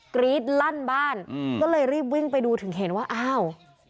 กรี๊ดลั่นบ้านอืมก็เลยรีบวิ่งไปดูถึงเห็นว่าอ้าว